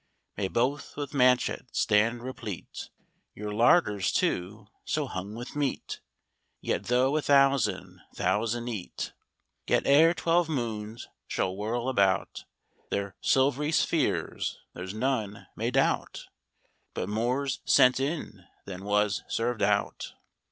May both with manchet stand replete; Your larders, too, so hung with meat, That though a thousand, thousand eat, Yet, ere twelve moons shall whirl about Their silv'ry spheres, there's none may doubt But more's sent in than was served out.